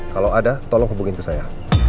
kalau ada tolong hubungin ke saya